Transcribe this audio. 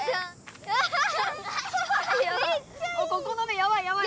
ここの目やばいやばい！